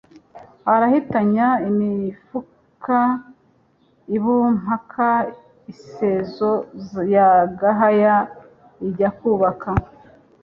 Arahitanya imifuka i Bumpaka, Isezo ya Gahaya ijya kubaka